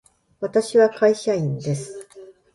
私は会社員です。